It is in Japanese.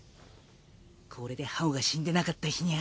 これでハオが死んでなかった日にゃ。